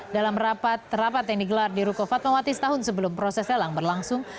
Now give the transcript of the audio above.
dalam rapat rapat yang digelar di ruko fatmawati setahun sebelum proses lelang berlangsung